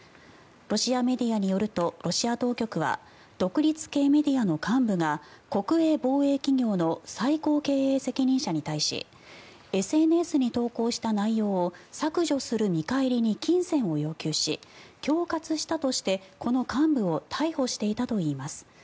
ロシアメディアによるとロシア当局は独立系メディアの幹部が国営防衛企業の最高経営責任者に対しＳＮＳに投稿した内容を削除する見返りに金銭を要求し恐喝したとしてこの幹部を逮捕していたといいます。